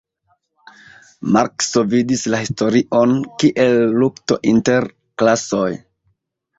Markso vidis la historion kiel lukto inter klasoj.